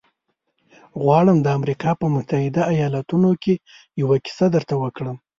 غواړم د امریکا په متحدو ایالتونو کې یوه کیسه درته وکړم